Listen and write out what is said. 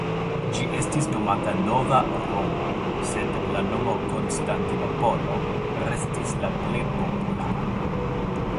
Ĝi estis nomata "Nova Romo", sed la nomo Konstantinopolo restis la plej populara.